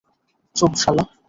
চুপ, শালা!